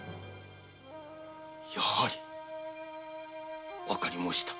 やはりわかり申した。